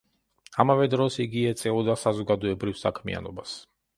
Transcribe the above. ამავე დროს იგი ეწეოდა საზოგადოებრივ საქმიანობას.